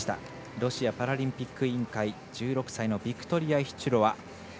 ロシアパラリンピック委員会１６歳のビクトリア・イシチュロワ。